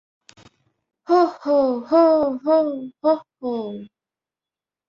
হো-হো, হো, হো, হো-হো!